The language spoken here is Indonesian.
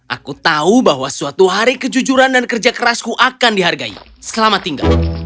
aku tahu bahwa suatu hari kejujuran dan kerja kerasku akan dihargai selama tinggal